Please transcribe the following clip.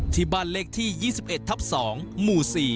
ที่บ้านเลขที่๒๑ทับ๒หมู่๔